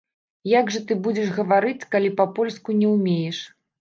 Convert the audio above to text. Як жа ты будзеш гаварыць, калі па-польску не ўмееш?